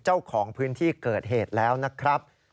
เจ้าของพื้นที่เกิดเหตุแล้วนะครับ